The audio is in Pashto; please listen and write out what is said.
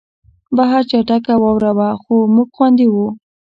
بهر چټکه واوره وه خو موږ خوندي وو